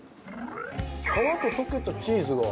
皮と溶けたチーズが。